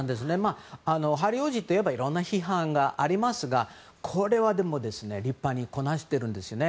ヘンリー王子といえばいろんな批判がありますがこれは立派にこなしてるんですね。